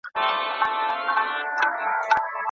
خدای موږ ته عقل او پوهه راکړې ده.